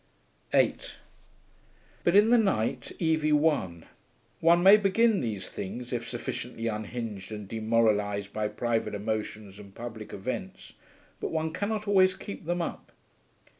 8 But in the night Evie won. One may begin these things, if sufficiently unhinged and demoralised by private emotions and public events, but one cannot always keep them up.